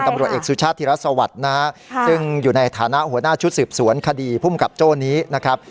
ตำรวจเอกสุชาติธิรัฐสวัสดิ์นะฮะซึ่งอยู่ในฐานะหัวหน้าชุดสืบสวนคดีภูมิกับโจ้นี้นะครับ